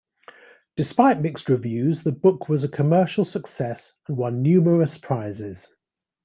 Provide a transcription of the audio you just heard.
Despite mixed reviews the book was a commercial success and won numerous prizes.